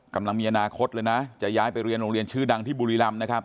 กำลังมีอนาคตเลยนะจะย้ายไปเรียนโรงเรียนชื่อดังที่บุรีรำนะครับ